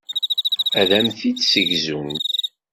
Ad am-t-id-ssegzunt.